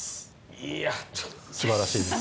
いやちょっとすばらしいです